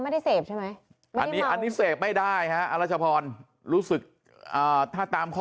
ไม่ได้เสพใช่ไหมอันนี้อันนี้เสพไม่ได้ฮะอรัชพรรู้สึกถ้าตามข้อ